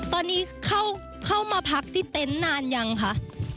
ตอนนี้เข้ามาพักที่เต็นต์นานยังคะ